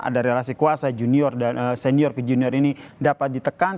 ada relasi kuasa senior ke junior ini dapat ditekan